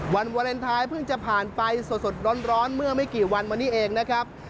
วันวาเลนไทยเพิ่งจะผ่านไปสดร้อนเมื่อไม่กี่วันมานี้เองนะครับ